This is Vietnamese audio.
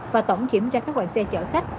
và tổng kiểm tra các quản xe chở khách